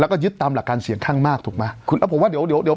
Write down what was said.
แล้วก็ยึดตามหลักการเสียงข้างมากถูกไหมคุณเอาผมว่าเดี๋ยวเดี๋ยวเดี๋ยว